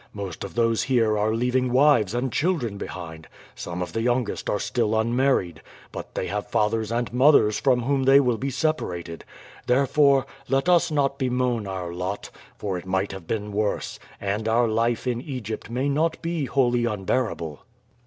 Most of those here are leaving wives and children behind; some of the youngest are still unmarried, but they have fathers and mothers from whom they will be separated. Therefore, let us not bemoan our lot, for it might have been worse, and our life in Egypt may not be wholly unbearable."